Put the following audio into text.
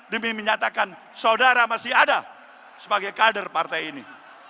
demi menyatakan saudara masih ada sebagai kader partai ini